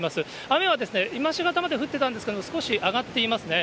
雨は今しがたまで降ってたんですけれども、少し上がっていますね。